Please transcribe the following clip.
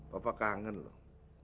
papa kangen loh